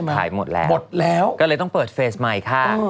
ถ่ายหมดแล้วก็เลยต้องเปิดเฟสใหม่ค่ะ